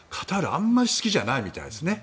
あんまり好きじゃないみたいですね。